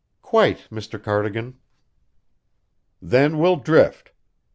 "Quite, Mr. Cardigan." "Then we'll drift.